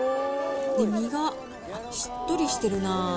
身がしっとりしてるなあ。